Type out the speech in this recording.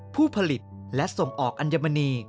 ผู้ผลิตและส่งออกอันดับ๑ของไทย